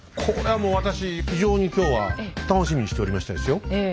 これはもう私非常に今日は楽しみにしておりましたですよ。